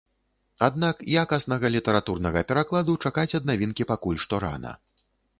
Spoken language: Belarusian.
Аднак якаснага літаратурнага перакладу чакаць ад навінкі пакуль што рана.